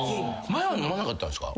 前は飲まなかったんですか？